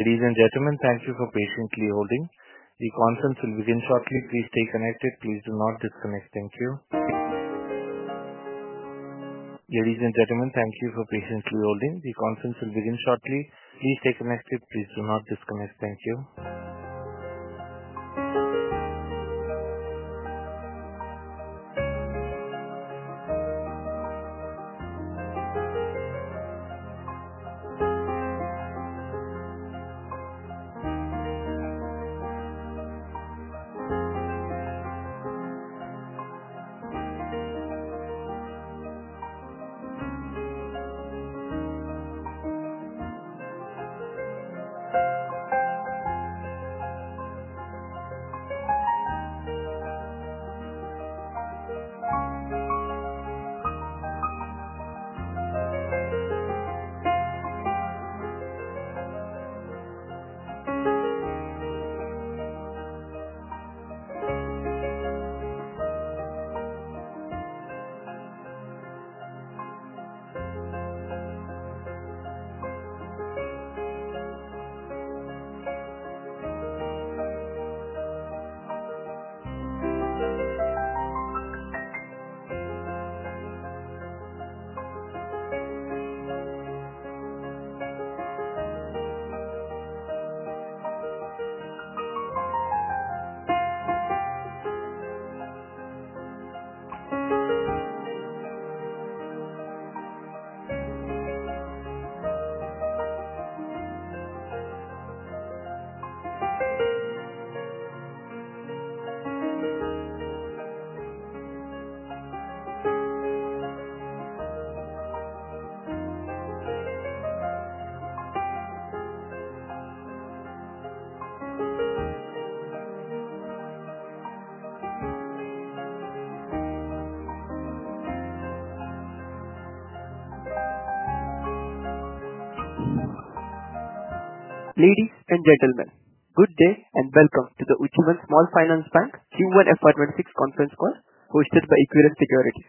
Ladies and gentlemen, thank you for patiently holding. The conference will begin shortly. Please stay connected. Please do not disconnect. Thank you. Ladies and gentlemen, thank you for patiently holding. The conference will begin shortly. Please stay connected. Please do not disconnect. Thank you. Ladies and gentlemen, good day and welcome to the Ujjivan Small Finance Bank Q1 FY26 Conference Call hosted by Equirus Securities.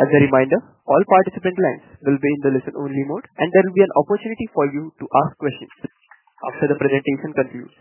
As a reminder, all participant lines will be in the listen-only mode, and there will be an opportunity for you to ask questions after the presentation concludes.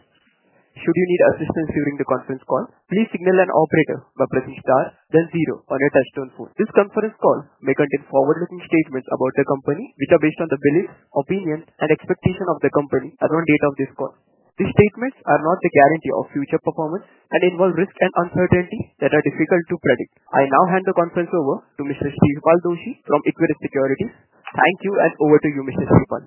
Should you need assistance during the conference call, please signal an operator by pressing the star then zero on your touchtone phone. This conference call may contain forward-looking statements about the company, which are based on the beliefs, opinions, and expectations of the company around the date of this call. These statements are not a guarantee of future performance and involve risks and uncertainties that are difficult to predict. I now hand the conference over to Mr. Shreepal Doshi from Equirus Securities. Thank you and over to you, Mrs. Shreepal.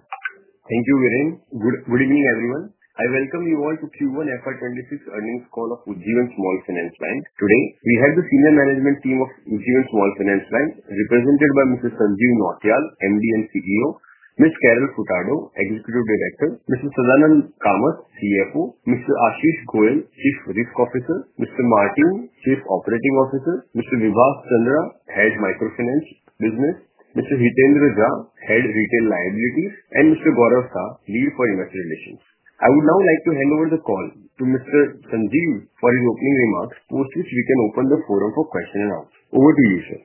Thank you, Viren. Good evening, everyone. I welcome you all to the Q1 FY26 Earnings Call of Ujjivan Small Finance Bank. Today, we have the Senior Management Team of Ujjivan Small Finance Bank represented by Mr. Sanjeev Nautiyal, MD and CEO, Ms. Carol Furtado, Executive Director, Mr. Sadananda Kamath, CFO, Mr. Ashish Goel, Chief Credit Officer, Mr. Martin, Chief Operating Officer, Mr. Vibhas Chandra, Head of Micro Finance Business, Mr. Hitendra Jha, Head of Retail Liabilities, and Mr. Gaurav Sah, Lead for Investor Relations. I would now like to hand over the call to Mr. Sanjeev for his opening remarks, from which we can open the forum for questions and answers. Over to you, sir.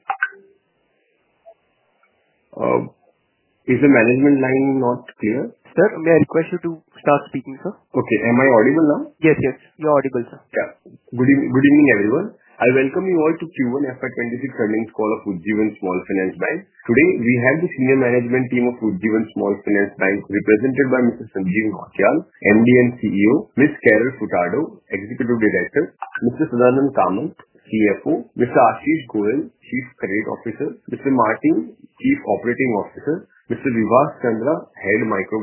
Is the management line not clear? Sir, may I request you to start speaking, sir? Okay, am I audible now? Yes, yes. You're audible, sir. Good evening, everyone. I welcome you all to the Q1 FY26 Earnings Call of Ujjivan Small Finance Bank. Today, we have the Senior Management Team of Ujjivan Small Finance Bank represented by Mr. Sanjeev Nautiyal, MD and CEO, Ms. Carol Furtado, Executive Director, Mr. Sadananda Kamath, CFO, Mr. Ashish Goel, Chief Credit Officer, Mr. Martin, Chief Operating Officer, Mr. Vibhas Chandra, Head of Micro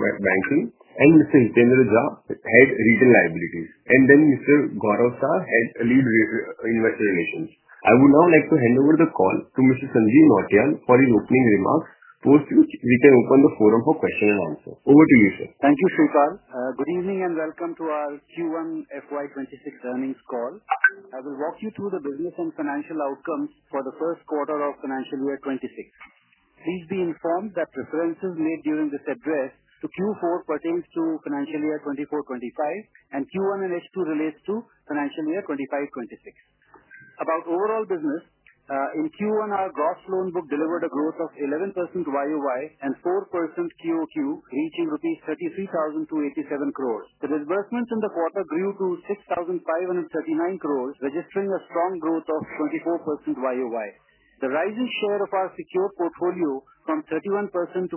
Banking, Mr. Hitendra Jha, Head of Retail Liabilities, and Mr. Gaurav Sah, Lead for Investor Relations. I would now like to hand over the call to Mr. Sanjeev Nautiyal for his opening remarks, from which we can open the forum for questions and answers. Over to you, sir. Thank you, Shreepal. Good evening and welcome to our Q1 FY2026 Earnings Call. I will walk you through the business and financial outcomes for the first quarter of financial year 2026. Please be informed that references made during this address to Q4 pertain to financial year 2024-2025 and Q1 and H2 relate to financial year 2025-2026. About overall business, in Q1, our gross loans have delivered a growth of 11% YoY and 4% QoQ, reaching rupees 33,287 crore. The disbursements in the quarter grew to 6,539 crore, registering a strong growth of 24% YoY. The rising share of our secured portfolio from 31% to 46%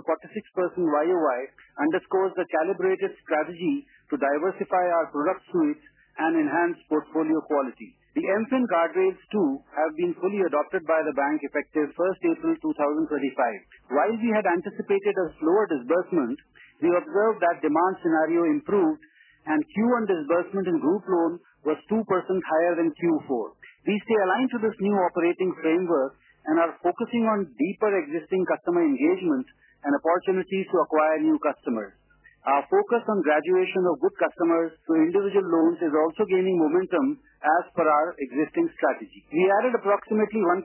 YoY underscores the calibrated strategy to diversify our product suites and enhance portfolio quality. The MFIN guardrails, too, have been fully adopted by the bank effective April 1, 2025. While we had anticipated a slower disbursement, we observed that the demand scenario improved, and Q1 disbursement in group loan was 2% higher than Q4. We stay aligned to this new operating framework and are focusing on deeper existing customer engagement and opportunities to acquire new customers. Our focus on graduation of good customers to Individual loans is also gaining momentum as per our existing strategy. We added approximately 1.1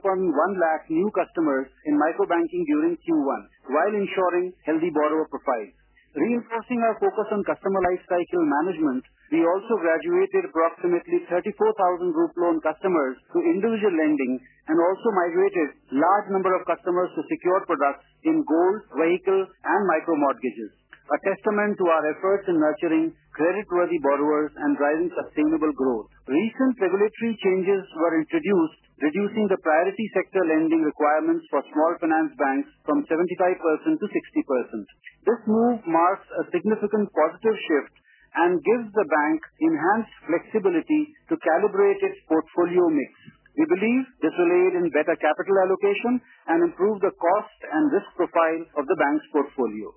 lakh new customers in microbanking during Q1 while ensuring healthy borrower profiles. Reinforcing our focus on customer lifecycle management, we also graduated approximately 34,000 group loan customers to individual lending and also migrated a large number of customers to secured products in gold loans, vehicle finance, and micromortgages. A testament to our efforts in nurturing creditworthy borrowers and driving sustainable growth. Recent regulatory changes were introduced, reducing the priority sector lending requirements for small finance banks from 75% to 60%. This move marks a significant positive shift and gives the bank enhanced flexibility to calibrate its portfolio mix. We believe this will aid in better capital allocation and improve the cost and risk profiles of the bank's portfolio.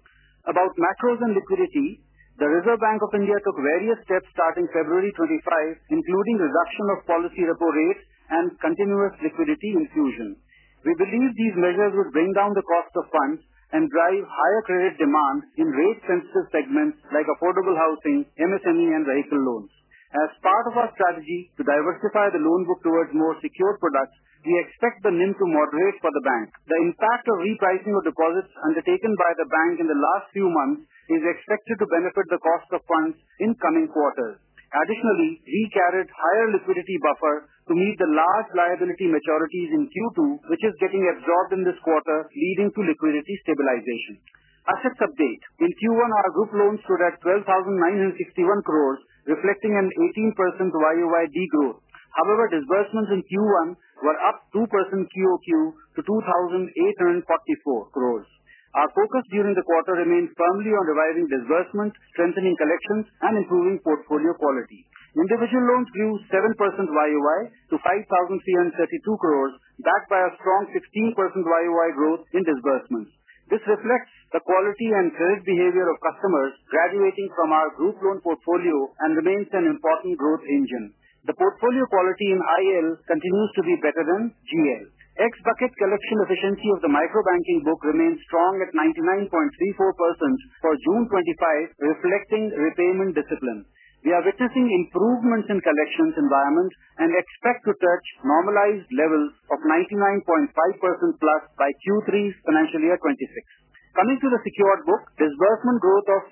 About macros and liquidity, the Reserve Bank of India took various steps starting February 2025, including the reduction of policy repo rates and continuous liquidity inclusion. We believe these measures will bring down the cost of funds and drive higher credit demand in rate-sensitive segments like affordable housing, MSME, and vehicle finance. As part of our strategy to diversify the loan book towards more secured products, we expect the NIM to moderate for the bank. The impact of repricing of deposits undertaken by the bank in the last few months is expected to benefit the cost of funds in the coming quarter. Additionally, we carried a higher liquidity buffer to meet the large liability maturities in Q2, which is getting absorbed in this quarter, leading to liquidity stabilization. Assets update. In Q1, Group loans stood at 12,961 crore, reflecting an 18% YoY degrowth. However, disbursements in Q1 were up 2% QoQ to 2,834 crore. Our focus during the quarter remains firmly on revising disbursements, strengthening collections, and improving portfolio quality. Individual loans grew 7% YoY to 5,332 crore, backed by a strong 16% YoY growth in disbursements. This reflects the quality and credit behavior of customers graduating from our group loan portfolio and remains an important growth engine. The portfolio quality in IL continues to be better than GL. Ex-pocket collection efficiency of the microbanking book remains strong at 99.34% for June 2025, reflecting repayment discipline. We are witnessing improvements in collections environments and expect to touch normalized levels of 99.5% plus by Q3 financial year 2026. Coming to the secured book, disbursement growth of 86%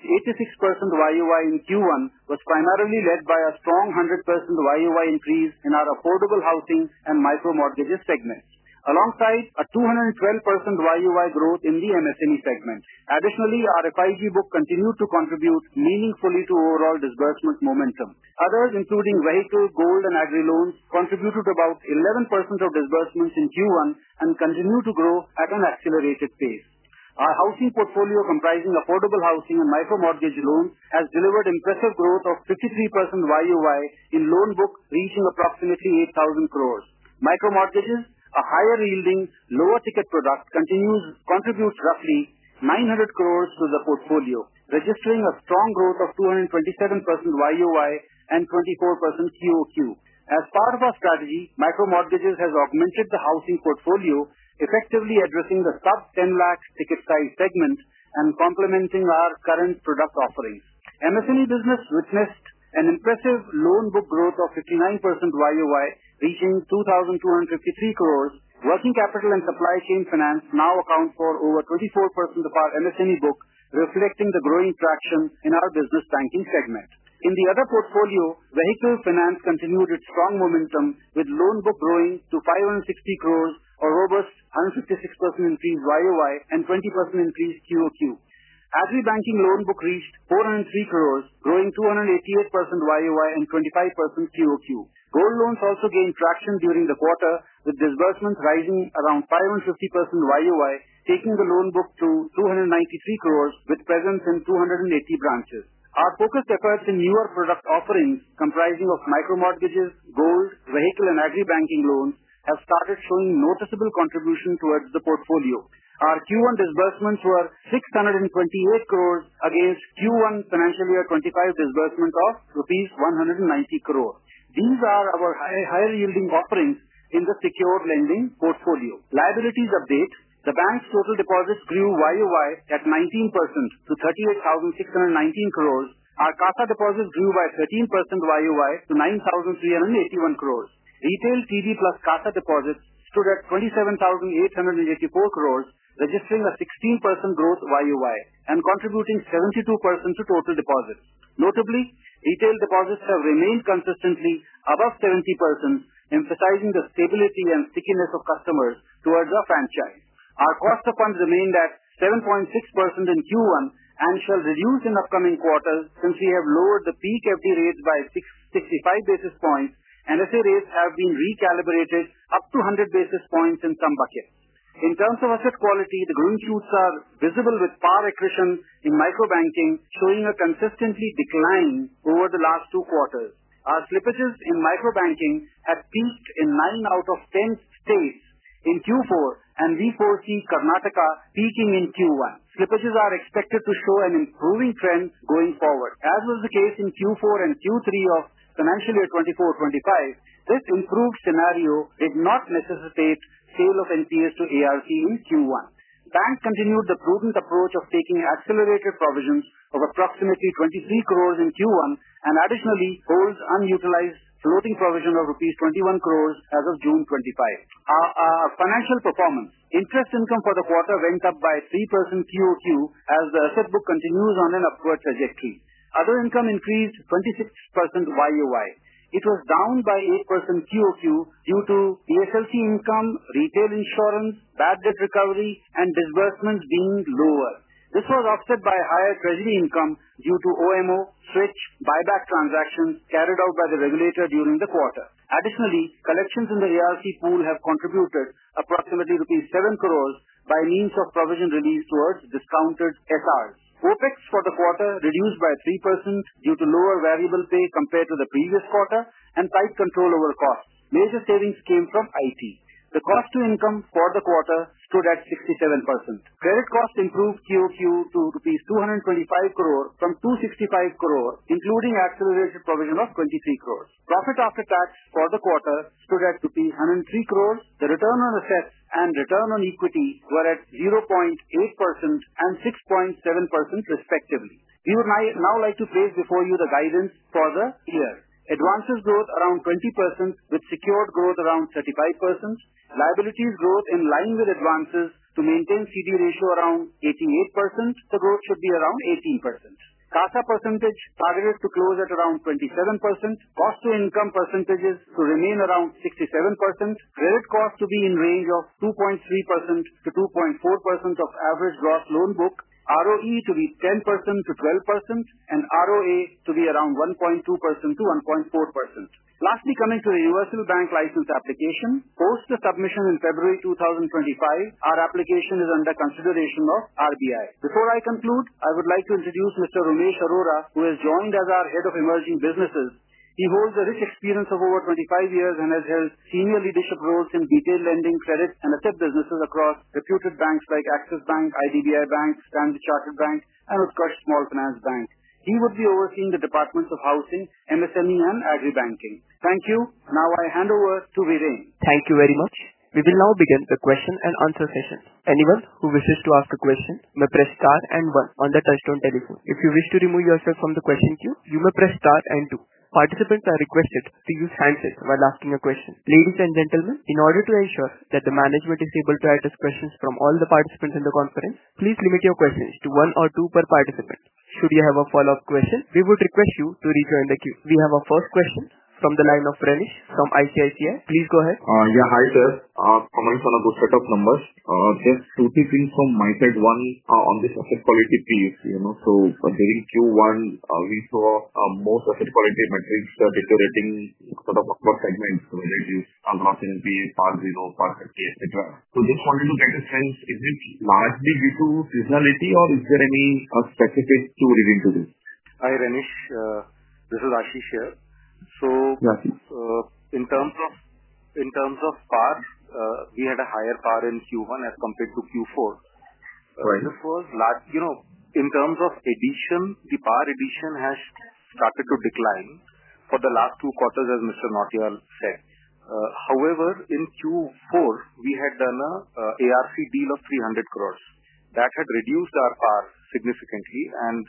YoY in Q1 was primarily led by a strong 100% YoY increase in our affordable housing and micromortgages segment, alongside a 212% YoY growth in the MSME segment. Additionally, our FIG book continued to contribute meaningfully to overall disbursement momentum. Others, including vehicle, gold, and agri loans, contributed about 11% of disbursements in Q1 and continue to grow at an accelerated pace. Our housing portfolio, comprising affordable housing and micromortgage loans, has delivered impressive growth of 53% YoY in loan books, reaching approximately 8,000 crore. Micromortgages, a higher-yielding, lower-ticket product, contributes roughly 900 crore to the portfolio, registering a strong growth of 227% YoY and 24% QoQ. As part of our strategy, micromortgages have augmented the housing portfolio, effectively addressing the top 10 lakh ticket-sized segments and complementing our current product offerings. MSME business witnessed an impressive loan book growth of 59% YoY, reaching 2,253 crore. Working capital and supply chain finance now account for over 24% of our MSME book, reflecting the growing traction in our business banking segment. In the other portfolio, vehicle finance continued its strong momentum with loan book growing to 560 crore for a robust 156% increase YoY and 20% increase QoQ. Agri banking loan book reached 403 crore, growing 288% YoY and 25% QoQ. Gold loans also gained traction during the quarter, with disbursements rising around 550% YoY, taking the loan book to INR 293 crore with presence in 280 branches. Our focus decades in newer product offerings, comprising micromortgages, gold, vehicle, and agri banking loans, has started showing noticeable contribution towards the portfolio. Our Q1 disbursements were 628 crore against Q1 financial year 2025 disbursement of rupees 190 crore. These are our higher-yielding offerings in the secured lending portfolio. Liabilities update. The bank's total deposits grew YoY at 19% to 38,619 crore. Our CASA deposits grew by 13% YoY to 9,381 crore. Retail TD plus CASA deposits stood at 27,884 crore, registering a 16% growth YoY and contributing 72% to total deposits. Notably, retail deposits have remained consistently above 70%, emphasizing the steadiness and stickiness of customers towards our franchise. Our cost of funds remained at 7.6% in Q1 and shall reduce in the upcoming quarters, since we have lowered the peak FD rates by 65 basis points. NSA rates have been recalibrated up to 100 basis points in some buckets. In terms of asset quality, the green shoots are visible with spot attrition in microbanking showing a consistent decline over the last two quarters. Our slippages in microbanking have peaked in 9 out of 10 states in Q4 and we foresee Karnataka peaking in Q1. Slippages are expected to show an improving trend going forward, as was the case in Q4 and Q3 of financial year 2024-2025. This improved scenario did not necessitate the sale of NCS to ART in Q1. Bank continued the prudent approach of taking accelerated provisions of approximately 23 crore in Q1 and additionally sold unutilized floating provisions of INR 21 crore as of June 2025. Our financial performance. Interest income for the quarter went up by 3% QoQ as the asset book continues on an upward trajectory. Other income increased 26% YoY. It was down by 8% QoQ due to USLC income, retail insurance, bad debt recovery, and disbursements being lower. This was offset by higher treasury income due to OMO switch buyback transactions carried out by the regulator during the quarter. Additionally, collections in the ART pool have contributed approximately rupees 7 crore by means of provision release towards discounted cash cards. OpEx for the quarter reduced by 3% due to lower variable pay compared to the previous quarter and tight control over costs. Major savings came from IT. The cost to income for the quarter stood at 67%. Travel costs improved QoQ to rupees 225 crore from 265 crore, including accelerated provisions of 23 crore. Profit after tax for the quarter stood at rupees 103 crore. The return on assets and return on equity were at 0.8% and 6.7% respectively. We would now like to place before you the guidance for the year. Advances growth around 20% with secured growth around 35%. Liabilities growth in line with advances to maintain CD ratio around 88%. The growth should be around 18%. CASA percentage targeted to close at around 27%. Cost to income percentages to remain around 67%. Gross costs to be in the range of 2.3% to 2.4% of average gross loan book. ROE to be 10% to 12% and ROA to be around 1.2% to 1.4%. Lastly, coming to the universal bank license application, post-submission in February 2025, our application is under consideration of RBI. Before I conclude, I would like to introduce Mr. Umesh Arora, who has joined as our Head of Emerging Businesses. He holds a rich experience of over 25 years and has held senior leadership roles in retail lending, credits, and asset businesses across reputed banks like Axis Bank, IDBI Bank, Standard Chartered Bank, and of course, Ujjivan Small Finance Bank. He would be overseeing the departments of housing, MSME, and agri banking. Thank you. Now I hand over to Viren. Thank you very much. We will now begin the question and answer session. Anyone who wishes to ask a question may press star and one on the touchtone telephone. If you wish to remove yourself from the question queue, you may press star and two. Participants are requested to use handshakes while asking a question. Ladies and gentlemen, in order to ensure that the management is able to address questions from all the participants in the conference, please limit your questions to one or two per participant. Should you have a follow-up question, we would request you to rejoin the queue. We have our first question from the line of Renish from ICICI Securities. Please go ahead. Yeah, hi, sir. Comments on the setup numbers. Just two key things from my side. One on the asset quality previously, so during Q1, we saw most asset quality metrics deteriorating sort of across segments, whether it is uncertainty, spot growth, spot equity, etc. Just wanted to get a sense, is it largely due to seasonality or is there any specific key reason to do this? Hi, Renish. This is Ashish here. Yes, in terms of PAR, we had a higher PAR in Q1 as compared to Q4. Right. The first, you know, in terms of addition, the PAR addition has started to decline for the last two quarters, as Mr. Nautiyal said. However, in Q4, we had done an ARC deal of 300 crore. That had reduced our PAR significantly, and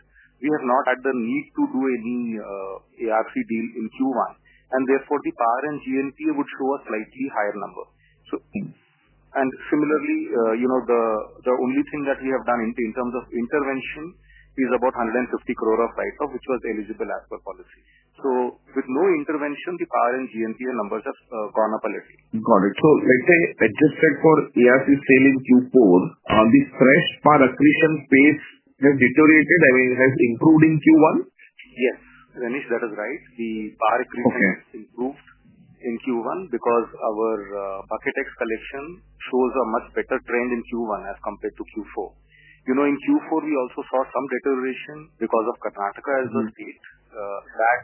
we have not had the need to do any ARC deal in Q1, and therefore, the PAR and GNP would show a slightly higher number. Similarly, the only thing that we have done in terms of intervention is about 150 crore of FICO, which was eligible as per policy. With no intervention, the PAR and GNP numbers have gone up a little. Got it. Let's say, adjusted for ARC sale in Q4, the stress par acquisition pace has deteriorated and has improved in Q1? Yes, Renish, that is right. The PAR acquisition has improved in Q1 because our Bucket X collection shows a much better trend in Q1 as compared to Q4. In Q4, we also saw some deterioration because of Karnataka as well. That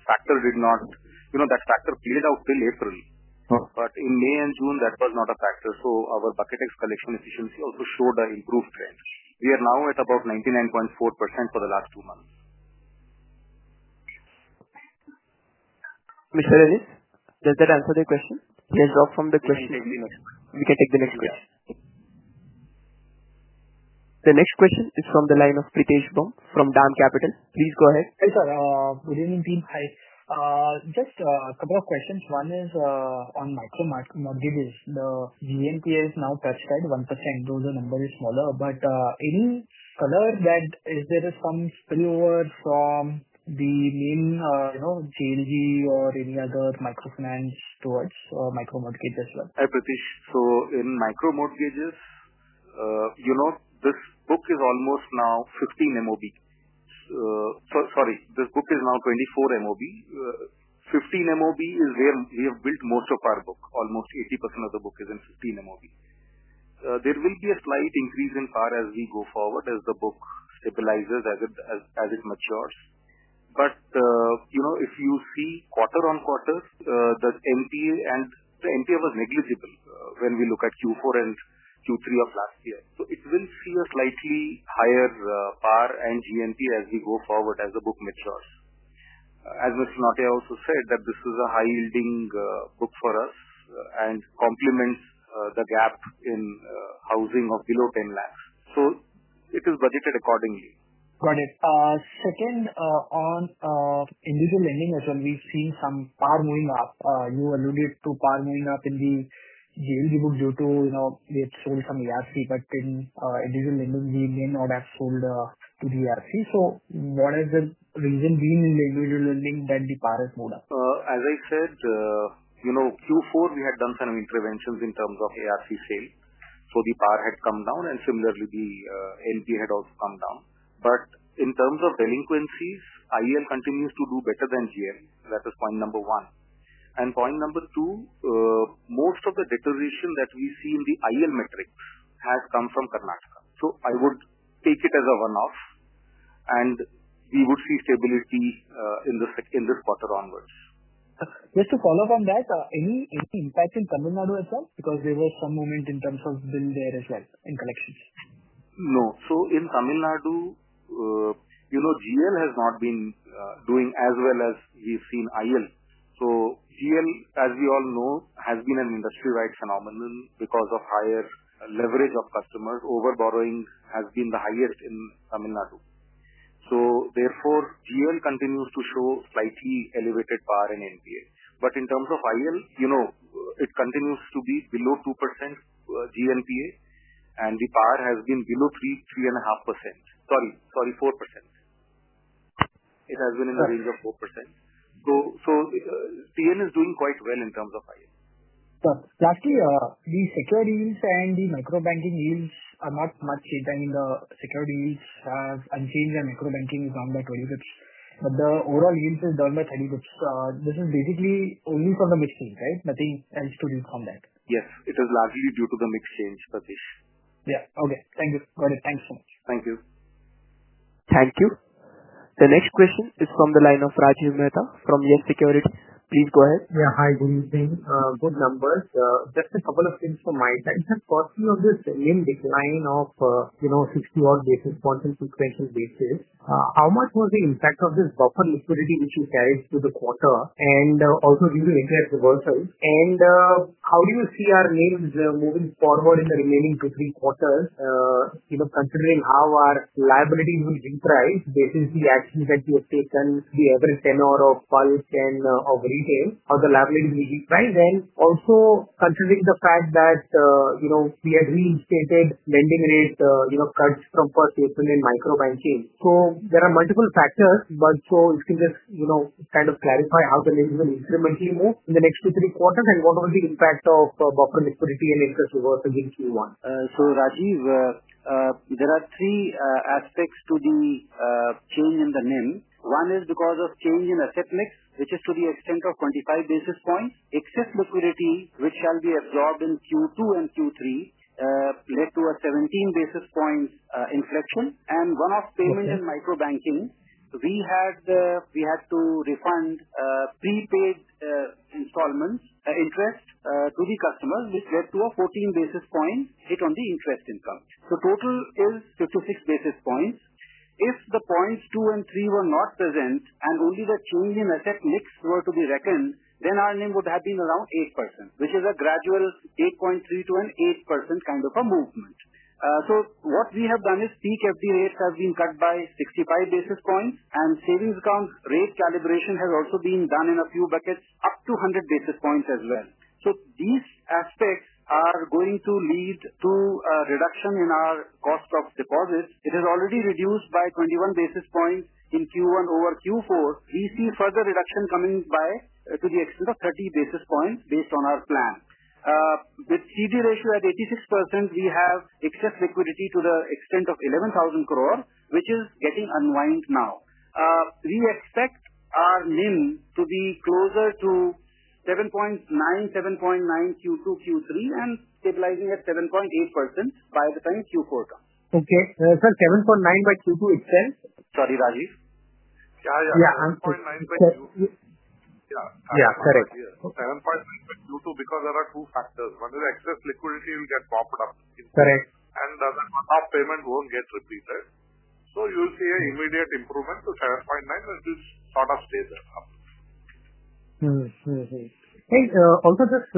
factor played out till April. In May and June, that was not a factor. Our Bucket X collection efficiency also showed an improved trend. We are now at about 99.4% for the last two months. Mr. Renish, does that answer the question? There's a drop from the question. We can take the next question. The next question is from the line of Pritesh Bumb from DAM Capital. Please go ahead. Hey, sir. Hi. Just a couple of questions. One is, on micromortgages. The GNPA is now touched at 1%. Those are numbers smaller, but any color that is there is some stew over from the main, you know, GNPA or any other microfinance towards micromortgages? Hi, Pritesh. In micromortgages, this book is almost now 15 MOB. Sorry, this book is now 24 MOB. 15 MOB is where we have built most of our book. Almost 80% of the book is in 15 MOB. There will be a slight increase in PAR as we go forward as the book stabilizes, as it matures. If you see quarter on quarter, the NPA was negligible when we look at Q4 and Q3 of last year. It will see a slightly higher PAR and GNPA as we go forward as the book matures. As Mr. Nautiyal also said, this is a high-yielding book for us and complements the gap in housing of below 1 million. It is budgeted accordingly. Got it. Second, on individual lending as well, we've seen some PAR moving up. You alluded to PAR moving up in the GNPA book due to, you know, they had sold some ARC, but then individual lenders may or may not have sold the ARC. What has the reason been in the individual lending that the PAR has moved up? As I said, you know, Q4, we had done some interventions in terms of ARC sale. The par had come down, and similarly, the NPA had also come down. In terms of delinquencies, IL continues to do better than GL. That is point number one. Point number two, most of the deterioration that we see in the IL metrics has come from Karnataka. I would take it as a one-off, and we would see stability in this quarter onwards. Just to follow up on that, any impact in Tamil Nadu as well? There was some momentum that has been there as well in collections. No. In Tamil Nadu, GL has not been doing as well as we've seen IL. GL, as we all know, has been an industry-wide phenomenon because of higher leverage of customers. Overborrowing has been the highest in Tamil Nadu. Therefore, GL continues to show slightly elevated PAR and NPA. In terms of IL, it continues to be below 2% GNPA and the PAR has been below 3.5%. Sorry, 4%. It has been in the range of 4%. GL is doing quite well in terms of IL. Got it. Actually, the securities and the microbanking yields are not much different than the securities. I'm seeing that microbanking is down by 26%. The overall yield has done quite good. This is basically only from the mix change, right? Nothing else to do from that. Yes, it is largely due to the mix change, Pritesh. Yeah. Okay. Thank you. Got it. Thanks. Thank you. Thank you. The next question is from the line of Rajiv Mehta from YES SECURITIES. Please go ahead. Yeah, hi. Good evening. Good numbers. Just a couple of things from my side. Just talking of this salient decline of, you know, 60-odd basis points and two potential basis, how much was the impact of this buffer liquidity which you carried through the quarter and also due to interest reversals? How do you see our NIMs moving forward in the remaining Q3 quarter, you know, considering how our liabilities would increase, basically the actions that you have taken? The average tenure of Pulse and of the liabilities will increase. Also, considering the fact that, you know, we had reinstated lending rates, you know, cuts from per person in microbanking. There are multiple factors, so if you can just, you know, kind of clarify how the NIMs will increase in the next Q3 quarter and what was the impact of buffer liquidity and interest reversals in Q1. Rajiv, there are three aspects to the change in the NIM. One is because of change in asset mix, which is to the extent of 25 basis points. Excess liquidity, which shall be absorbed in Q2 and Q3, led to a 17 basis point inflection. Last payment in microbanking, we had to refund prepaid installments interest to the customers, which led to a 14 basis points hit on the interest income. Total is 36 basis points. If points two and three were not present and only the change in asset groups were to be reckoned, then our NIM would have been around 8%, which is a gradual 8.3% to an 8% kind of a movement. What we have done is CASA deposit rates have been cut by 65 basis points and savings account rate calibration has also been done in a few buckets up to 100 basis points as well. These aspects are going to lead to a reduction in our cost of deposits. It has already reduced by 21 basis points in Q1 over Q4. We see further reduction coming by to the extent of 30 basis points based on our plan. With CD ratio at 86%, we have excess liquidity to the extent of 11,000 crore, which is getting unwind now. We expect our NIM to be closer to 7.9%, 7.9% in Q2 and Q3, and stabilizing at 7.8% by the time Q4 comes. Okay, 7.9% by Q2 itself? Sorry, Rajiv. I'm sorry. 7.9%. Yeah, correct. 7.9% Q2 because there are two factors. One is excess liquidity, which has buffered up. Correct. The up payment won't get repeated. You'll see an immediate improvement to 7.9% in this sort of stages. Okay. Also, just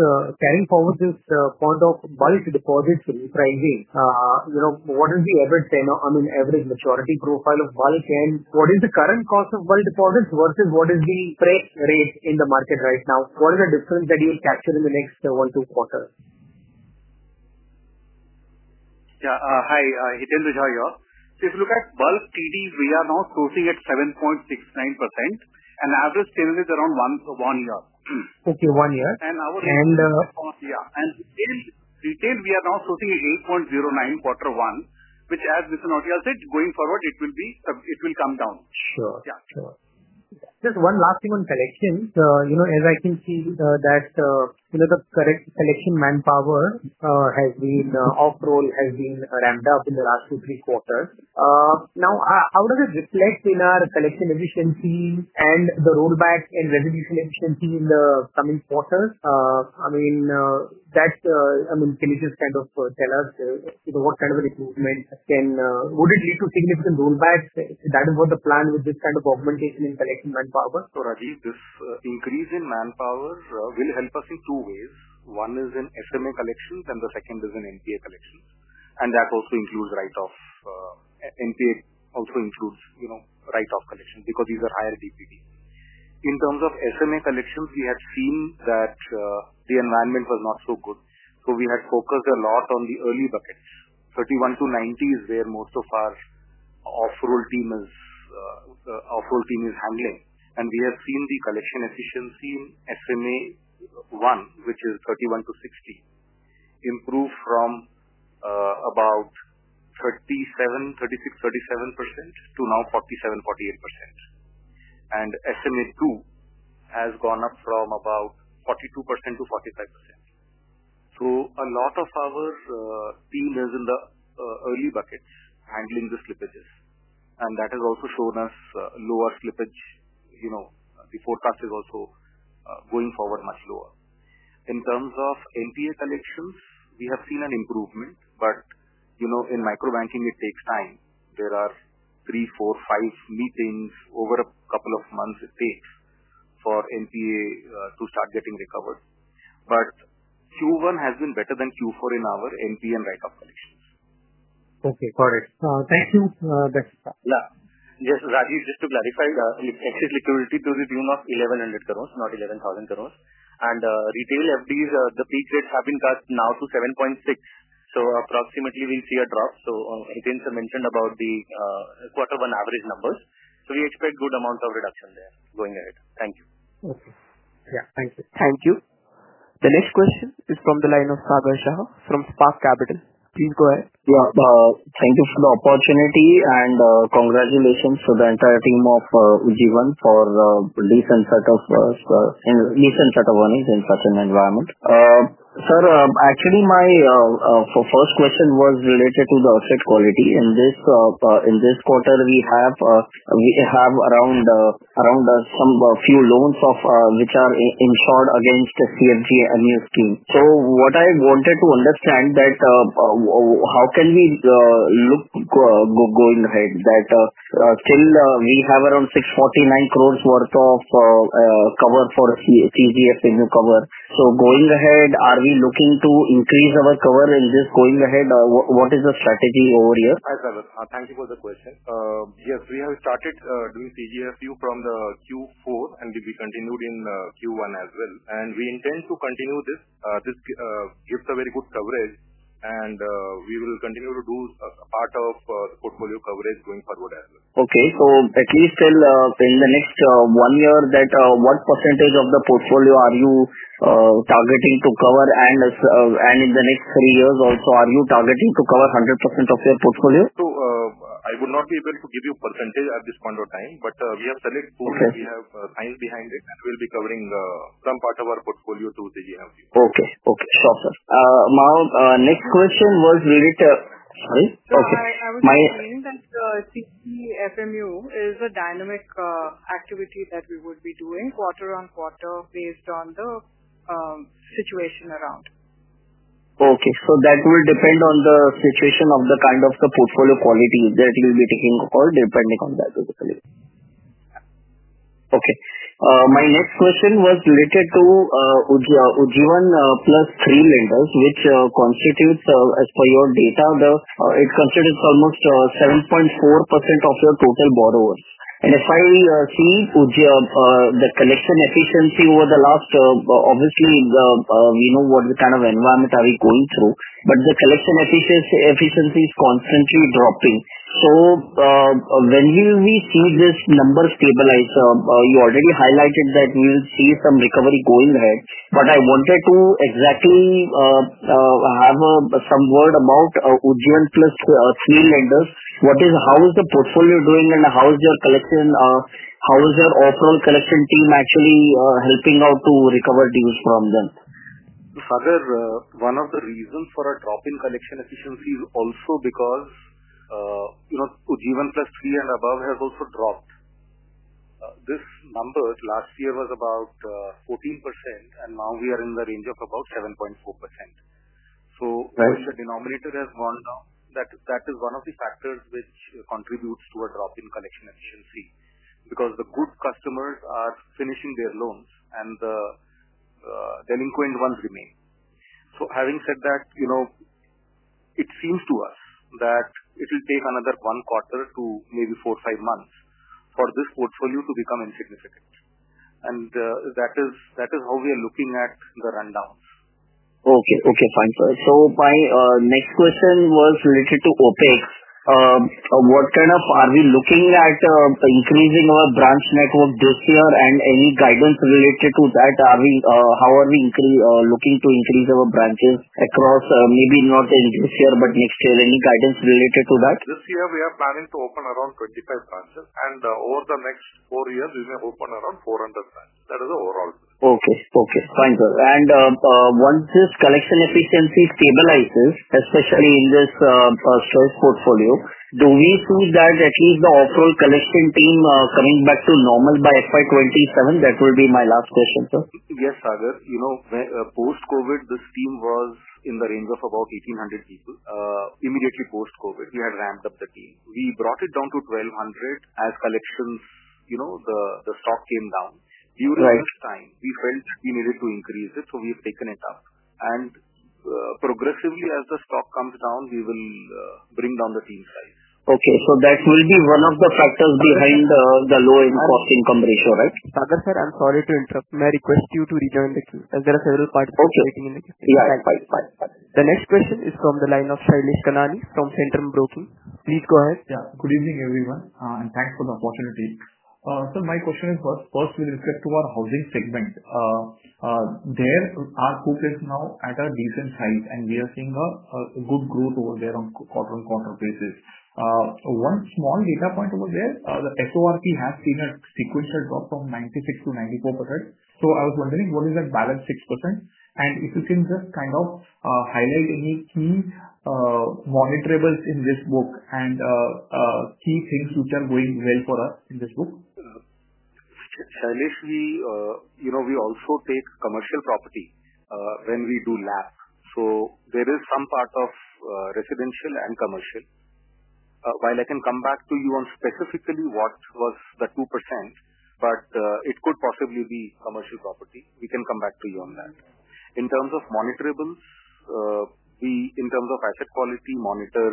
carrying forward this point of bulk deposits repricing, what is the average tenure, I mean, average maturity profile of bulk and what is the current cost of bulk deposits versus what is the rate in the market right now? What is the difference that you would capture in the next one to two quarters? Yeah. Hi, Hitendra Jha. If you look at bulk TD, we are now closing at 7.69% and average tenure is around one year. Okay, one year. Our cost, yeah. In retail, we are now closing 8.09% quarter one, which, as Mr. Nautiyal said, going forward, it will come down. Sure. Just one last thing on collections. As I can see, the correct collection manpower has been off-roll, has been ramped up in the last two, three quarters. How does it reflect in our collection efficiency and the rollback and resolution efficiency in the coming quarters? Can you just kind of tell us what kind of a recruitment can, would it lead to significant rollbacks? That is what the plan with this kind of augmentation in collection manpower? Rajiv, this increase in manpowers will help us in two ways. One is in SMA collections and the second is in NPA collections. That also includes write-off. NPA also includes, you know, write-off collections because these are higher TPD. In terms of SMA collections, we have seen that the environment was not so good. We had focused a lot on the early buckets. 31 to 90 is where most of our off-roll team is handling. We have seen the collection efficiency in SMA 1, which is 31 to 60, improve from about 36%, 37% to now 47%, 48%. SMA 2 has gone up from about 42% to 45%. A lot of our team is in the early buckets handling the slippages. That has also shown us lower slippage. The forecast is also going forward much lower. In terms of NPA collections, we have seen an improvement, but you know, in microbanking, it takes time. There are three, four, five meetings over a couple of months it takes for NPA to start getting recovered. Q1 has been better than Q4 in our NPA and write-off collections. Okay, got it. Thanks for that. Yeah. Yes, Rajiv, just to clarify, excess liquidity to the tune of 1,100 crore, not 11,000 crore. Retail FDs, the page rates have been cut now to 7.6%. Approximately, we'll see a drop. Hiten has mentioned about the quarter one average numbers. We expect a good amount of reduction there going ahead. Thank you. Okay, yeah, thank you. Thank you. The next question is from the line of Sagar Shah from Spark Capital. Please go ahead. Thank you for the opportunity and congratulations to the entire team of Ujjivan Small Finance Bank for a decent set of earnings in such an environment. Sir, actually, my first question was related to the asset quality. In this quarter, we have some loans which are insured against the CGS NUS team. What I wanted to understand is, how can we look, going ahead, that we have around 649 crore worth of cover for CGS in the cover. Going ahead, are we looking to increase our cover and just going ahead, what is the strategy over here? Thank you for the question. Yes, we have started doing CGSQ from Q4 and we continued in Q1 as well. We intend to continue this. This gives very good coverage, and we will continue to do a part of the portfolio coverage going forward as well. Okay. At least in the next one year, what % of the portfolio are you targeting to cover? In the next three years also, are you targeting to cover 100% of your portfolio? I would not be able to give you a % at this point of time, but we have it. We have times behind it. We'll be covering some part of our portfolio through the year of Q4. Okay. Got it. Next question was related to, sorry. I would just say that CGFMU is a dynamic activity that we would be doing quarter on quarter based on the situation around. Okay. That will depend on the situation of the kind of the portfolio quality that we'll be taking according depending on that. My next question was related to Ujjivan plus three lenders, which constitutes, as per your data, it constitutes almost 7.4% of your total borrowers. If I see the collection efficiency over the last, obviously, you know what the kind of environment we are going through. The collection efficiency is constantly dropping. When do you see this number stabilize? You already highlighted that you see some recovery going ahead. I wanted to exactly have some word about Ujjivan plus three lenders. What is, how is the portfolio doing and how is your collection, how is your overall collection team actually helping out to recover deals from them? One of the reasons for a drop in collection efficiency is also because, you know, Ujjivan plus three and above has also dropped. This number last year was about 14%, and now we are in the range of about 7.4%. As the denominator has gone down, that is one of the factors which contributes to a drop in collection efficiency because the good customers are finishing their loans and the delinquent ones remain. Having said that, it seems to us that it will take another one quarter to maybe four or five months for this portfolio to become insignificant. That is how we are looking at the rundowns. Okay, fine. My next question was related to OpEx. What kind of are we looking at the increase in our branch network this year and any guidance related to that? Are we, how are we looking to increase our branches across, maybe not the year but next year? Any guidance related to that? This year we are planning to open around 25 branches. Over the next four years, we may open around 400 branches. That is the overall. Okay, fine. Once this collection efficiency stabilizes, especially in this search portfolio, do we see that at least the off-road collection team coming back to normal by FY 2027? That will be my last question, sir. Yes, Sagar. You know, post-COVID, this team was in the range of about 1,800 people. Immediately post-COVID, we had ramped up the team. We abrought it down to 1,200 as collections, you know, the stock came down. During this time, we felt we needed to increase it, so we've taken it up. Progressively as the stock comes down, we will bring down the team size. Okay. That will be one of the factors behind the low income ratio, right? I'm sorry to interrupt. May I request you to rejoin the queue, as there are several participants waiting in the queue. Yeah, fine. The next question is from the line of Shailesh Kanani from Centrum Broking. Please go ahead. Yeah. Good evening, everyone, and thanks for the opportunity. Sir, my question is first with respect to our housing segment. There are hookers now at a decent size, and we are seeing a good growth over there on a quarter-on-quarter basis. One small data point over there, the SORP has seen a sequential drop from 96% to 94%. I was wondering, what is that balance 6%? If you can just kind of highlight any key monitorables in this book and key things which are going well for us in this book. Shailesh, we also take commercial property when we do labs. There is some part of residential and commercial. While I can come back to you on specifically what was the 2%, it could possibly be commercial property. We can come back to you on that. In terms of monitorables, in terms of asset quality, we monitor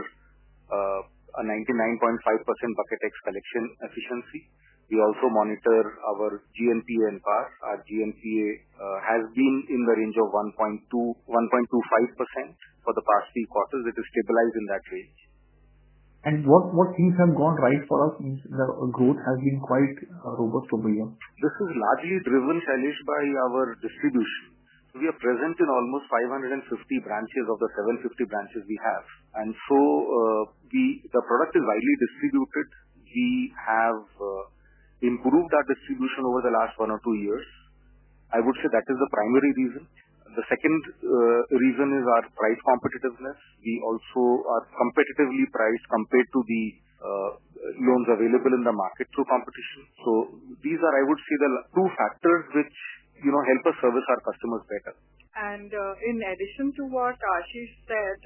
a 99.5% Bucket X collection efficiency. We also monitor our GNPAA and PAR. Our GNPA has been in the range of 1.25% for the past three quarters. It has stabilized in that range. What things have gone right for us means the growth has been quite robust over here? This is largely driven, Shailesh, by our distribution. We are present in almost 550 branches of the 750 branches we have, and the product is widely distributed. We have improved our distribution over the last one or two years. I would say that is the primary reason. The second reason is our price competitiveness. We also are competitively priced compared to the loans available in the market through competition. These are, I would say, the two factors which help us service our customers better. In addition to what Ashish said,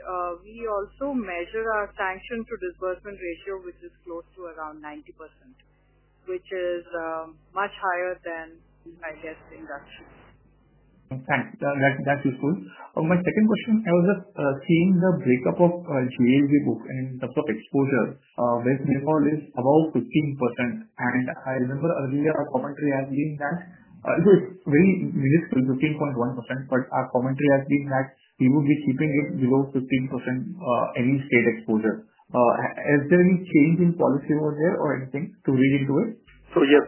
we also measure our cash into disbursement ratio, which is close to around 90%, which is much higher than, I guess, in Raksi. That's useful. On my second question, I was just seeing the breakup of GNPA book and the top exposure, where it is about 15%. I remember earlier a commentary has been that it's very realistic, 15.1%, but our commentary has been that we will be keeping it below 15% any state exposure. Is there any change in policy over there or anything to read into it? Yes,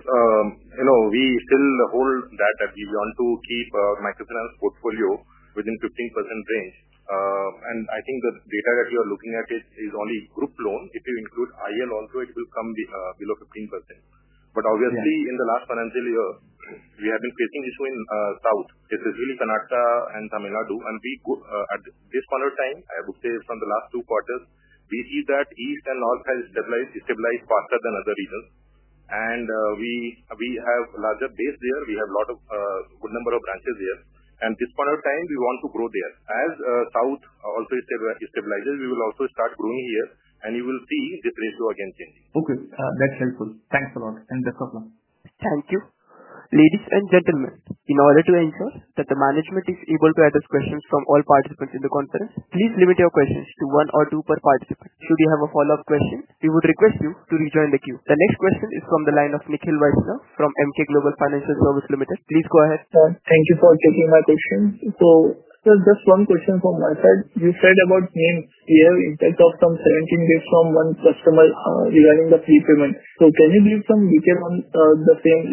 we still hold that we want to keep a microfinance portfolio within the 15% range. I think the data that we are looking at is only group loan. If you include IL also, it will come below 15%. Obviously, in the last financial year, we have been facing issue in South. It is really Karnataka and Tamil Nadu. At this point of time, I would say from the last two quarters, we see that East and North has stabilized. It stabilized faster than other regions. We have a larger base there. We have a good number of branches here. At this point of time, we want to grow there. As South also stabilizes, we will also start growing here. You will see the price go again changing. Okay, that's helpful. Thanks a lot. The problem. Thank you. Ladies and gentlemen, in order to ensure that the management is able to address questions from all participants in the conference, please limit your questions to one or two per participant. Should you have a follow-up question, we would request you to rejoin the queue. The next question is from the line of Nikhil Vaishnav from Emkay Global Financial Services Limited. Please go ahead. Thank you for taking my question. Just one question from my side. You said about being clear in terms of some challenge from one customer regarding the prepayment. Can you give some detail on the thing,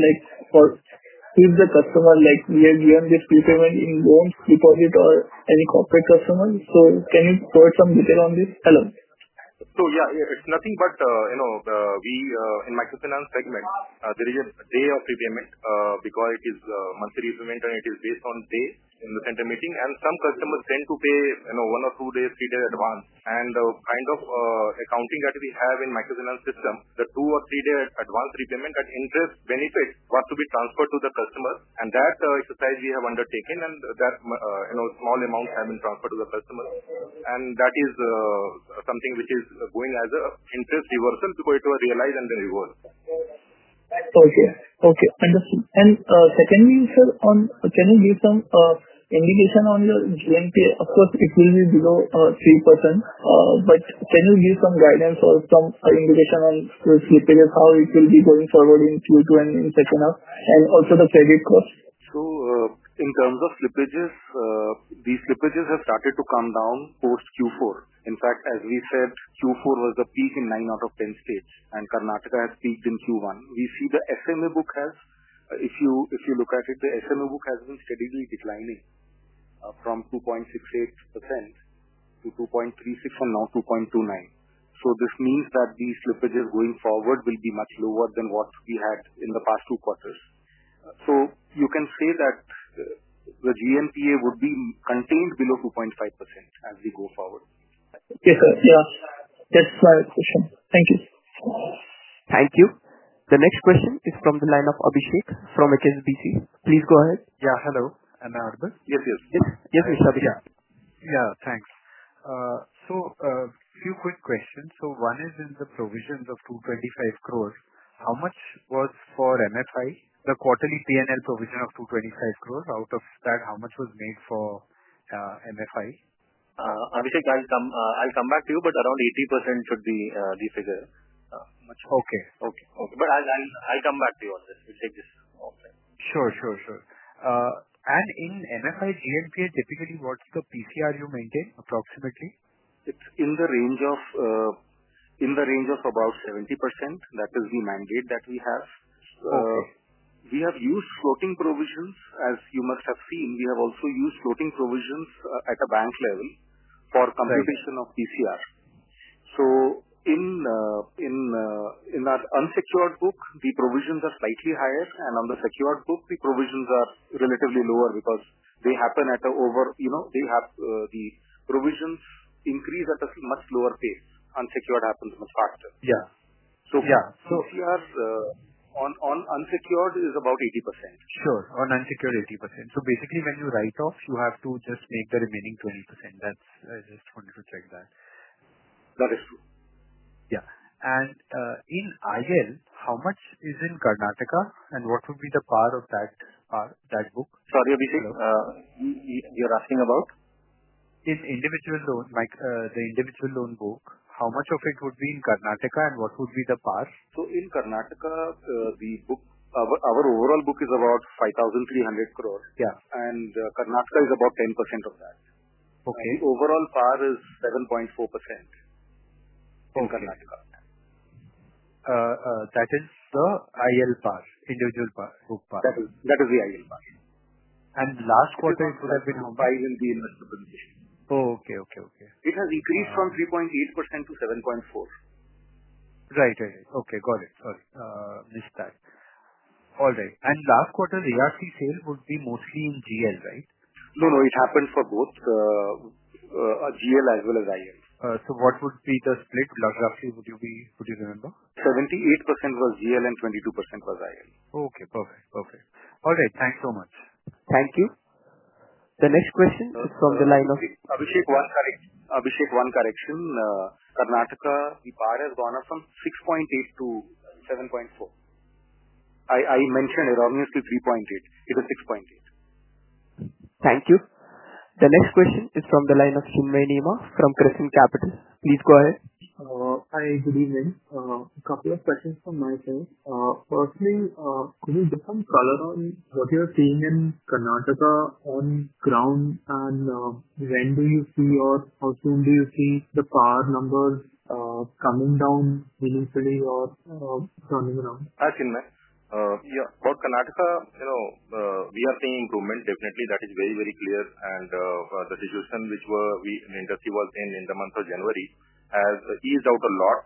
like, or keep the customer near this prepayment in loans or any corporate customers? Can you provide some detail on this? Hello. Yeah, it's nothing but, you know, we in microfinance segment, there is a day of prepayment because it is a monthly repayment and it is based on day in the center meeting. Some customers tend to pay, you know, one or two days, three days advance. The kind of accounting that we have in microfinance system, the two or three days advance repayment at interest benefit wants to be transferred to the customer. That exercise we have undertaken and that, you know, small amounts have been transferred to the customer. That is something which is going as an interest reversal before it was realized and then reversed. Okay. Understood. Secondly, sir, can you give some indication on the GNPA? Of course, it will be below 3%. Can you give some guidance or some indication on how it will be going forward in Q2 and in the second half, and also the credit cost? In terms of slippages, these slippages have started to come down post-Q4. In fact, as we said, Q4 was the peak in 9 out of 10 states, and Karnataka has peaked in Q1. We see the SMA book has, if you look at it, been steadily declining from 2.68% to 2.36% and now 2.29%. This means that the slippages going forward will be much lower than what we had in the past two quarters, so you can say that the GNPA would be contained below 2.5% as we go forward. Yes, sir. Thank you. Thank you. The next question is from the line of Abhishek from HSBC. Please go ahead. Hello. Yes, yes. Yes, yes, Abhishek. Yeah, thanks. A few quick questions. One is in the provisions of 225 crore. How much was for MFI? The quarterly P&L provision of 225 crore, out of that, how much was made for MFI? Abhishek, I'll come back to you, but around 80% should be the figure. Okay. Okay. Okay. I'll come back to you on this. We'll save this. Okay. Sure, sure, sure. In MFI GNPA, typically, what's the PCR you maintain approximately? It's in the range of about 70%. That is the mandate that we have. We have used floating provisions. As you must have seen, we have also used floating provisions at a bank level for completion of PCR. In that unsecured book, the provisions are slightly higher, and on the secured book, the provisions are relatively lower because they happen at an over, you know, the provisions increase at a much lower pace. Unsecured happens much faster. Yeah, yeah. If you are on unsecured, it is about 80%. Sure. On unsecured, 80%. Basically, when you write off, you have to just take the remaining 20%. That's, I just wanted to check that. That is true. In IL, how much is in Karnataka? What would be the par of that book? Sorry, Abhishek. You're asking about? In individual loan, the individual loan book, how much of it would be in Karnataka and what would be the PAR? In Karnataka, the book, our overall book is about 5,300 crore, and Karnataka is about 10% of that. The overall PAR is 7.4% in Karnataka. That is the IL par, individual book par. That is the IL par. How would it have been last quarter? While in the investment. Okay, okay, okay. It has increased from 3.8% to 7.4%. Right. Okay. Got it. Sorry. All right. Last quarter, ARC sale would be mostly in GL, right? No, no. It happens for both, a GL as well as IL. What would be the split? Last quarter, would you remember? 78% was GL and 22% was IL. Okay. Perfect. Perfect. All right. Thanks so much. Thank you. The next question is from the line of. Abhishek, one correction. Karnataka, the PAR has gone up from 6.8% to 7.4%. I mentioned erroneously 3.8%. It was 6.8%. Thank you. The next question is from the line of Chinmay Nema from Prescient Capital. Please go ahead. Hi, good evening. A couple of questions from my side. Firstly, please define color on what you're seeing in Karnataka on ground, and when do you see or how soon do you see the PAR number coming down initially or turning around? As Chinnmay, yeah, about Karnataka, you know, we are seeing improvement, definitely. That is very, very clear. The situation which we were in, the industry was in, in the month of January has eased out a lot.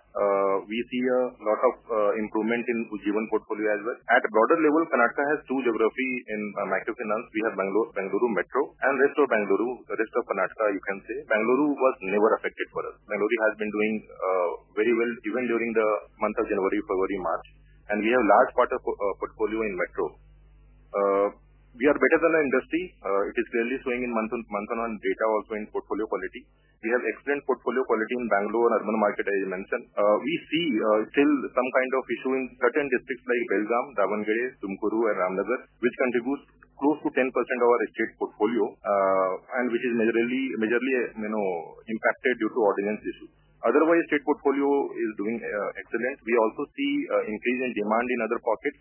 We see a lot of improvement in Ujjivan Small Finance Bank portfolio as well. At a broader level, Karnataka has two geographies in microfinance. We have Bangalore Metro and rest of Bangalore. The rest of Karnataka, you can say Bangalore was never affected for us. Bangalore has been doing very well even during the month of January, February, March. We have a large part of our portfolio in Metro. We are better than the industry. It is clearly showing in month-on-month data also in portfolio quality. We have excellent portfolio quality in Bangalore and Arman Market, as you mentioned. We see still some kind of issue in certain districts like Dausa, Ravanagares, Tumakuru, and Ramnagar, which contributes close to 10% of our state portfolio, and which is majorly, majorly, you know, impacted due to ordinance issues. Otherwise, the state portfolio is doing excellent. We also see an increase in demand in other pockets.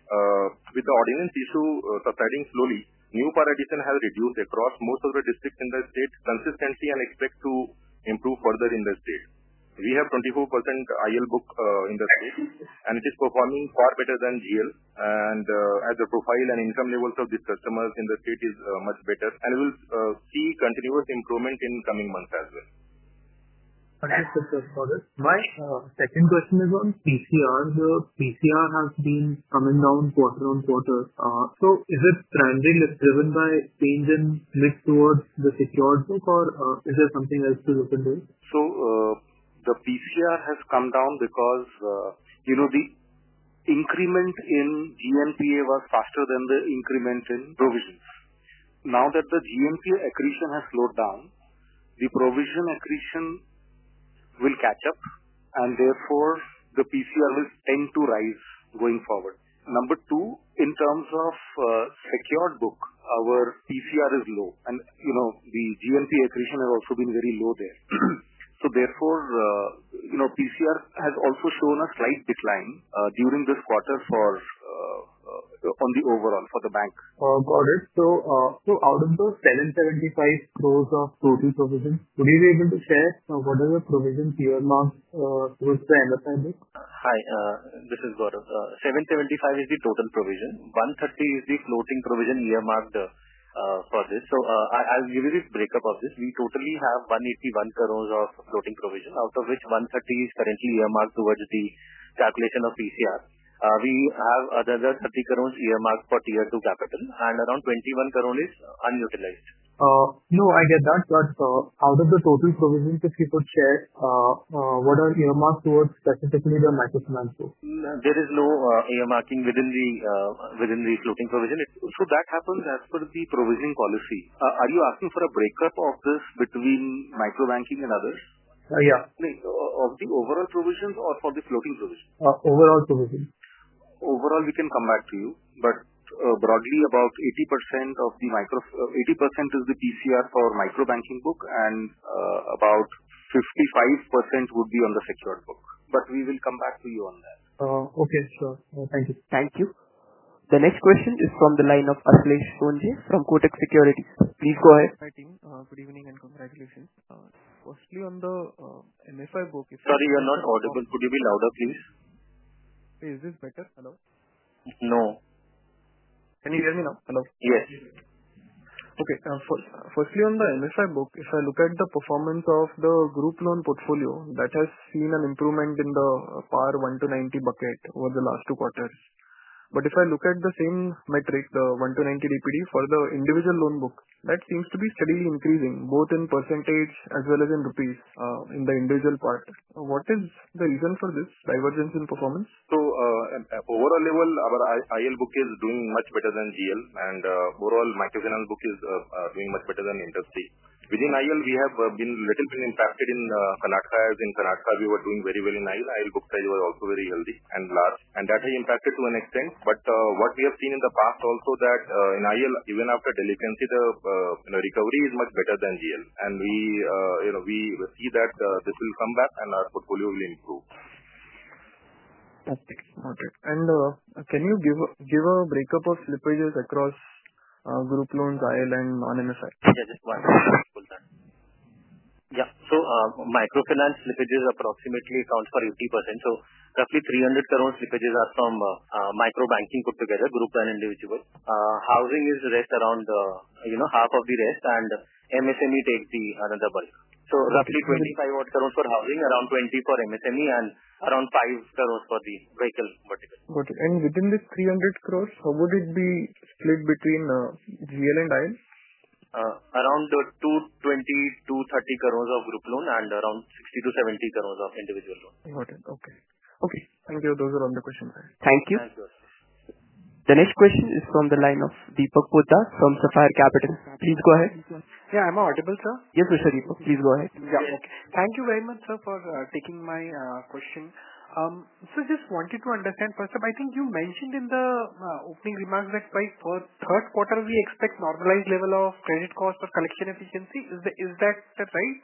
With the ordinance issue subsiding slowly, new PAR addition has reduced across most of the districts in the state consistently and expect to improve further in the state. We have 24% IL book in the state, and it is performing far better than GL. As the profile and income levels of these customers in the state are much better, we will see continuous improvement in the coming months as well. Thank you, sir, for this. My second question is on PCR. The PCR has been coming down quarter on quarter. Is it trending? Is it driven by change in mix towards the secured book, or is there something else to look into? The PCR has come down because, you know, the increment in GNPA was faster than the increment in provisions. Now that the GNPAA accretion has slowed down, the provision accretion will catch up, and therefore, the PCR will tend to rise going forward. Number two, in terms of secured book, our PCR is low. You know, the GNPA accretion has also been very low there. Therefore, PCR has also shown a slight decline during this quarter overall for the bank. Got it. Out of those 775 crore of total provision, would you be able to share what are the provision PCR marks with the NFIB? Hi, this is Gaurav. 775 crores is the total provision. 130 crores is the floating provision earmarked for this. As we do this breakup of this, we totally have INR 181 crores of floating provision, out of which INR 130 crores is currently earmarked towards the calculation of PCR. We have another INR 30 crores earmarked for Tier 2 capital, and around INR 21 crores is unutilized. I get that. Out of the total provision, if you could share, what are earmarked towards technically the microfinance book? There is no earmarking within the floating provision. That happens as per the provision policy. Are you asking for a breakup of this between microbanking and others? Yeah. Of the overall provisions or for the floating provision? Overall provisions. Overall, we can come back to you. Broadly, about 80% of the micro, 80% is the PCR for microbanking book, and about 55% would be on the secured book. We will come back to you on that. Okay, sure. Thank you. Thank you. The next question is from the line Ashles Sonje from Kotak Securities. Please go ahead. Hi, team. Good evening and congratulations. Firstly, on the MFI book, if. Sorry, we are not audible. Could you be louder, please? This is better. Hello? No. Can you hear me now? Yes. Okay. Firstly, on the MFI book, if I look at the performance of the group loan portfolio, that has seen an improvement in the PAR 1 to 90 bucket over the last two quarters. If I look at the same metrics, the 1 to 90 DPD for the individual loan book, that seems to be steadily increasing both in % as well as in rupees in the individual part. What is the reason for this divergence in performance? Overall, our Individual loans book is doing much better than GL. Overall, the microfinance book is doing much better than the industry. within IL, we have been a little bit impacted in Karnataka. In Karnataka, we were doing very well in IL. the IL book size was also very healthy and large, and that has impacted to an extent. What we have seen in the past also is that in IL, even after delinquency, the recovery is much better than GL. We see that this will come back and our portfolio will improve. That's it. Okay. Can you give a breakup of slippages across group loans, IL, and non-MFI? Just one last question. Microfinance slippages approximately account for 80%. Roughly 300 crore slippages are from microbanking put together, group and individual. Housing is the rest, around half of the rest. MSME takes another bucket. Roughly 25 crore for housing, around 20 crore for MSME, and around 5 crore for the vehicle vertical. Got it. Within this 300 crore, how would it be split between GL and IL? 220 crore, 230 crore of Group loans and around 60 crore to 70 crore of Individual loans. Got it. Okay. Thank you. Those are all the questions. Thank you. Thank you. The next question is from the line of Deepak Poddar from Sapphire Capital. Please go ahead. Yeah, I'm audible, sir. Yes, Mr. Deepak. Please go ahead. Thank you very much, sir, for taking my questions. I just wanted to understand, first of all, I think you mentioned in the opening remarks that by third quarter, we expect normalized level of credit cost or collection efficiency. Is that right?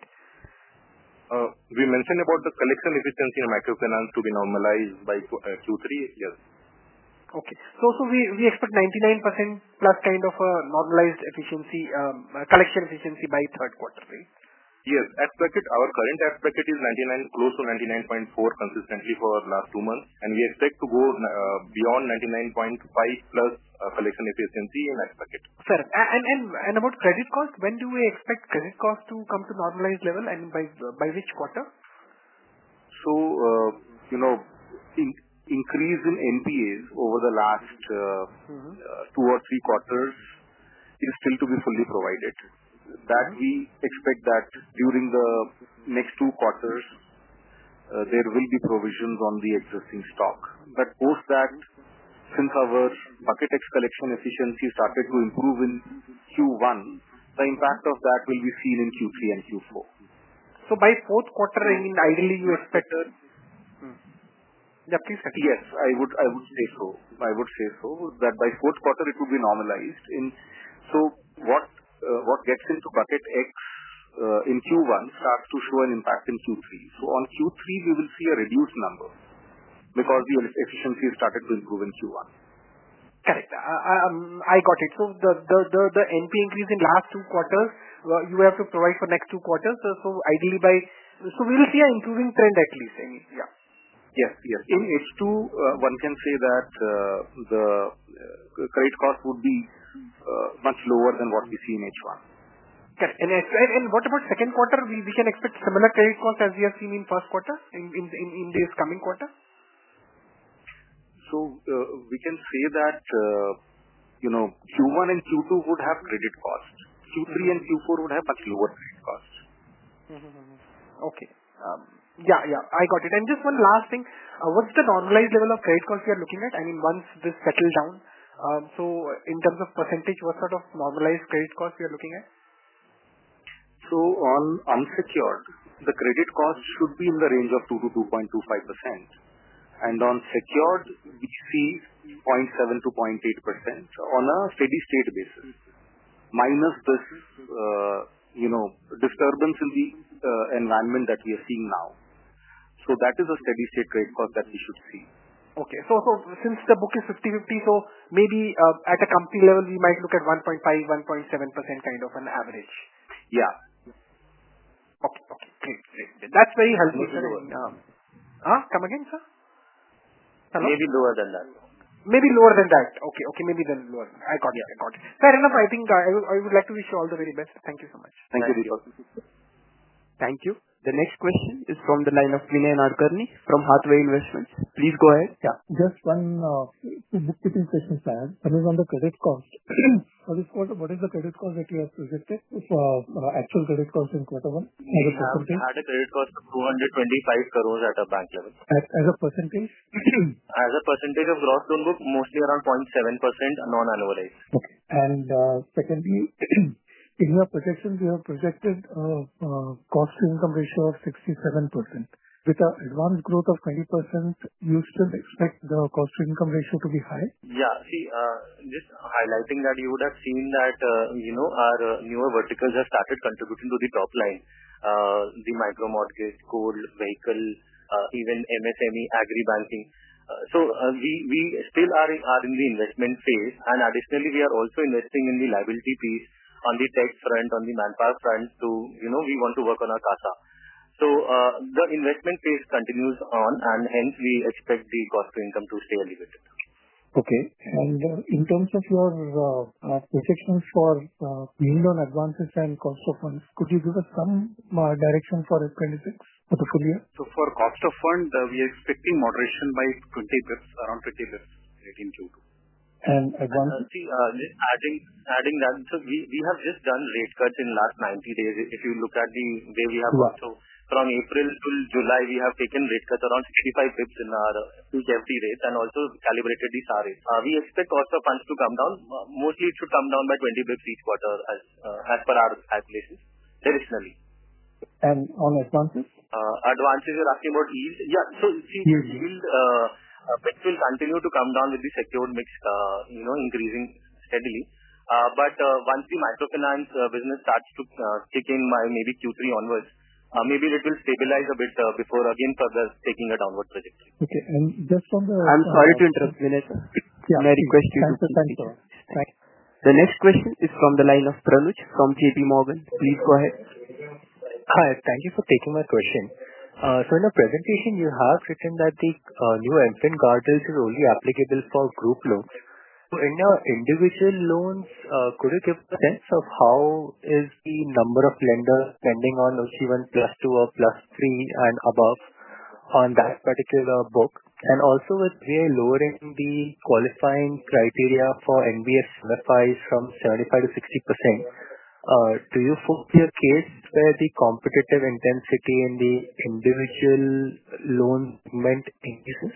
We mentioned about the collection efficiency in microfinance to be normalized by Q3, yes. Okay. We expect 99%+ kind of a normalized collection efficiency by third quarter, right? Yes. Our current aspect is 99, close to 99.4% consistently for the last two months. We expect to go beyond 99.5% plus collection efficiency in expected. Sir, about credit costs, when do we expect credit costs to come to a normalized level and by which quarter? The increase in NPAs over the last two or three quarters is still to be fully provided. We expect that during the next two quarters, there will be provisions on the SOC stock. Since our Bucket X collection efficiency started to improve in Q1, the impact of that will be seen in Q3 and Q4. By fourth quarter, I mean, ideally, you expect a? Yeah, please continue. Yes, I would say so. I would say so that by fourth quarter, it would be normalized. What gets into Bucket X in Q1 starts to show an impact in Q3. In Q3, we will see a reduced number because the efficiency has started to improve in Q1. Got it. The NPA increase in the last two quarters, you have to provide for the next two quarters. Ideally, we will see an improving trend, at least, I mean. Yes, yes. In H2, one can say that the credit cost would be much lower than what we see in H1. Got it. What about second quarter? We can expect similar credit costs as we are seeing in first quarter in this coming quarter? We can say that, you know, Q1 and Q2 would have credit costs. Q3 and Q4 would have much lower credit costs. Okay. I got it. Just one last thing. What's the normalized level of credit costs we are looking at? I mean, once this settles down, in terms of %, what sort of normalized credit costs are we looking at? On unsecured, the credit costs should be in the range of 2% to 2.25%. On secured, we see 0.7% to 0.8% on a steady state basis, minus this disturbance in the environment that we are seeing now. That is a steady state credit cost that we should see. Okay. Since the book is 50/50, we might look at 1.5%, 1.7% kind of an average at a company level. Yeah. Okay. Okay. That's very helpful, sir. Anyway. Come again, sir? Hello? Maybe lower than that. Maybe lower than that. Okay. Maybe then lower. I got it. Fair enough. I think I would like to wish you all the very best. Thank you so much. Thank you, Deepak. Thank you. The next question is from the line of Vinay Nadkarni from Hathway Investment. Please go ahead. Yeah, just one quick question, sir. That is on the credit costs. This quarter, what is the credit cost that you have suggested for actual credit costs in quarter one as a %? The credit costs are INR 225 crore at a bank level. As a %? As a percentage of gross loan book, mostly around 0.7% non-annualized. Secondly, in your projections, you have projected a cost-to-income ratio of 67%. With an advances growth of 20%, you still expect the cost-to-income ratio to be high? Yeah. See, just highlighting that you would have seen that, you know, our newer verticals have started contributing to the top line. The micromortgage, gold, vehicle, even MSME, agri banking. We still are in the investment phase. Additionally, we are also investing in the liability piece on the tech front, on the manpower front. You know, we want to work on our CASA. The investment phase continues on, and hence we expect the cost-to-income to stabilize. Okay. In terms of your, at which is for clean loan advantage and cost of funds, could you give us some direction for appendix? For cost of fund, we are expecting moderation by 20 bps, around 20 bps in Q2. And advance? See, adding that, we have just done rate cuts in the last 90 days. If you look at the way we have, from April to July, we have taken rate cuts around 65 bps in our PKFT rates and also calibrated the SAR rates. We expect cost of funds to come down. Mostly, it should come down by 20 bps each quarter as per our calculations traditionally. On advantages? Advantages, you're asking about ease? Yeah. We'll continue to come down with the secured mix increasing steadily. Once the microfinance business starts to kick in by maybe Q3 onwards, it will stabilize a bit before again further taking a downward trajectory. Okay, just from the. I'm sorry to interrupt, Vinay. May I request you? Thank you. Thank you. Right. The next question is from the line of Pranuj from J.P. Morgan. Please go ahead. Hi. Thank you for taking my question. In the presentation, you have written that the new infant Gardens are only applicable for Group loans. In the Individual loans, could you give a sense of how is the number of lenders spending on Ujjivan plus two or plus three and above on that particular book? Also, with PA lowering the qualifying criteria for NBS MFIs from 75% to 60%, do you foresee a chance where the competitive intensity in the individual loan meant changes?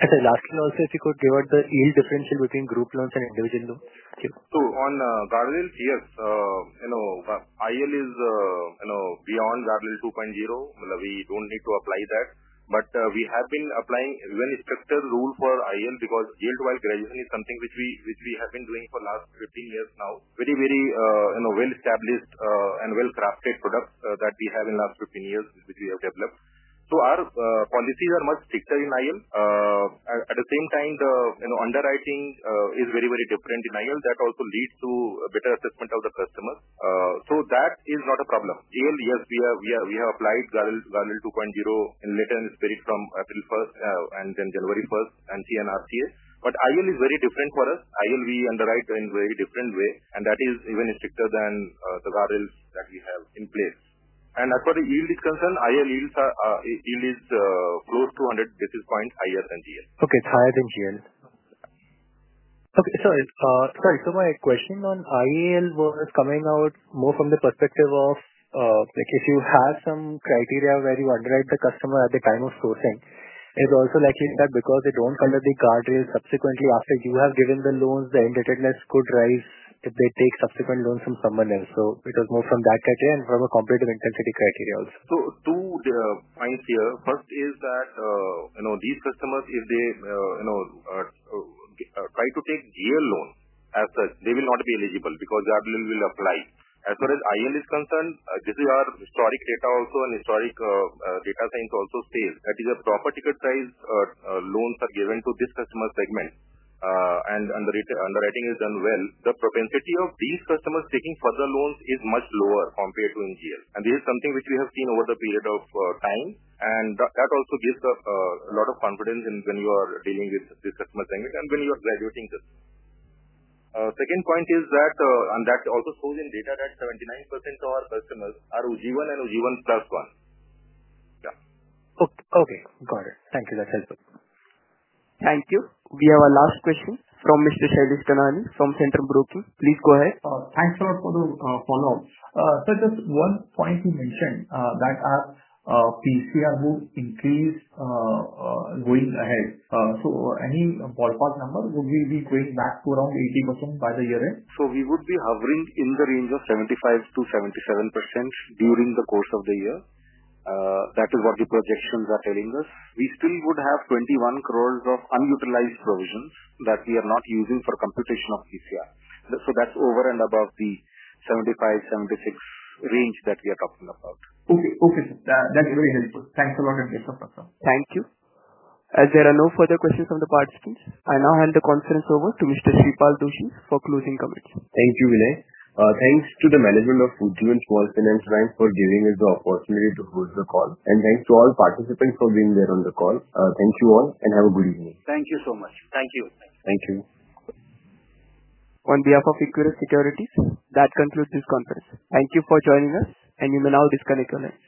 The last one is if you could give out the yield differential between Group loans and Individual loans. On the Gardens, yes. IL is beyond Gardens 2.0. We don't need to apply that. We have been applying even stricter rules for IL because yield to wild graduation is something which we have been doing for the last 15 years now. Very, very well-established and well-crafted products that we have in the last 15 years which we have developed. Our policies are much stricter in IL. At the same time, the underwriting is very, very different in IL. That also leads to a better assessment of the customers. That is not a problem. Yes, we have applied Gardens 2.0 later in spirit from April 1 and then January 1 and CNRCA. IL is very different for us. IL we underwrite in a very different way. That is even stricter than the Gardens that we have in place. As for the yield is concerned, IL yield is close to 100 basis points higher than GL. Okay. It's higher than GL. Sorry. Sorry. My question on IL was coming out more from the perspective of if you have some criteria where you underwrite the customer at the time of sourcing, it's also likely that because they don't come to the Gardens subsequently after you have given the loans, the indebtedness could rise if they take subsequent loans from someone else. It was more from that criteria and from a competitive intensity criteria also. Two points here. First is that these customers, if they try to take Group loans as such, they will not be eligible because Gardens will apply. As far as IL are concerned, this is our historic data also and historic data thing also stays. That is, proper ticket size loans are given to this customer segment, and underwriting is done well. The propensity of these customers taking further loans is much lower compared to in GL. This is something which we have seen over the period of time, and that also gives a lot of confidence when you are dealing with this customer segment and when you are graduating customers. Second point is that it also shows in data that 79% of our customers are Ujjivan and Ujjivan plus one. Okay. Got it. Thank you. That's helpful. Thank you. We have a last question from Mr. Shailesh Kanani from Centrum Broking. Please go ahead. Thanks a lot for the follow-up. Just one point, you mentioned that PCR will increase going ahead. Any ballpark number, will we be going back to around 80% by the year end? We would be hovering in the range of 75% to 77% during the course of the year. That is what the projections are telling us. We still would have 21 crore of unutilized provisions that we are not using for computation of PCR. That's over and above the 75%, 76% range that we are talking about. Okay. Okay, sir. That is very helpful. Thanks a lot, Umesh Arora. Thank you. As there are no further questions from the participants, I now hand the conference over to Mr. Shreepal Doshi for closing comments. Thank you, Vinay. Thank you to the management of Ujjivan Small Finance Bank for giving us the opportunity to host the call. Thank you to all participants for being there on the call. Thank you all and have a good evening. Thank you so much. Thank you. Thank you. On behalf of Equirus Securities, that concludes this conference. Thank you for joining us, and you may now disconnect your lines.